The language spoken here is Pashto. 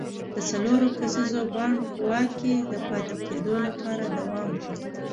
د څلور کسیز بانډ په واک کې د پاتې کېدو لپاره دوام غوښت.